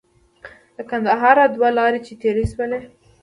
له کندهار دوه لارې چې تېر شولو.